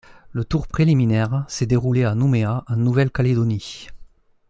Le tour préliminaire s'est déroulé à Nouméa en Nouvelle-Calédonie.